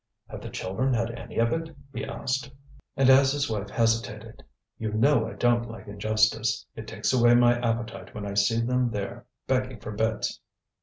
"Have the children had any of it?" he asked. And as his wife hesitated: "You know I don't like injustice. It takes away my appetite when I see them there, begging for bits."